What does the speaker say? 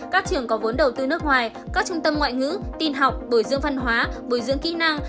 các trường có vốn đầu tư nước ngoài các trung tâm ngoại ngữ tin học bồi dưỡng văn hóa bồi dưỡng kỹ năng